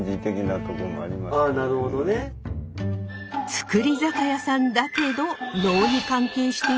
造り酒屋さんだけど能に関係している？